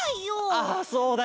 ああそうだよね！